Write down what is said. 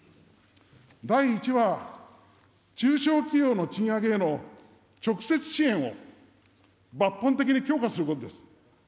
第１は、中小企業の賃上げへの直接支援を抜本的に強化することです。